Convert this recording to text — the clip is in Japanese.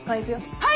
はい！